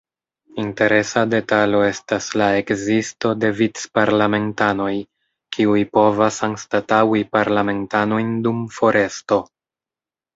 Interesa detalo estas la ekzisto de "vic-parlamentanoj", kiuj povas anstataŭi parlamentanojn dum foresto.